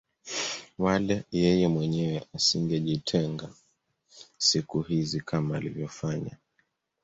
Wala yeye mwenyewe asingejitenga siku hizi kama alivyofanya